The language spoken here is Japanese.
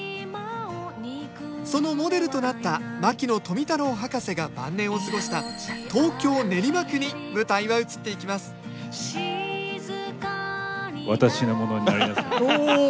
そのモデルとなった牧野富太郎博士が晩年を過ごした東京・練馬区に舞台は移っていきますおおっ！